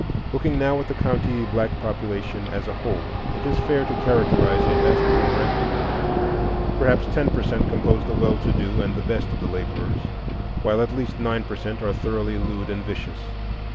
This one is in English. Looking now at the county black population as a whole, it is fair to characterize it as poor and ignorant. Perhaps ten per cent compose the well to do and the best of the laborers, while at least nine per cent are thoroughly lewd and vicious.